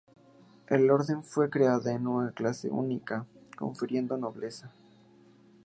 La orden fue creada con una clase única, confiriendo nobleza.